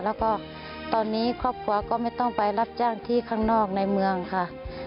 แล้วก็ตอนนี้ครอบครัวก็ไม่ต้องไปรับจ้างที่ข้างนอกในเมืองค่ะ